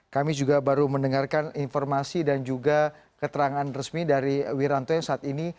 kami juga baru mendengarkan informasi dan juga keterangan resmi dari wiranto yang saat ini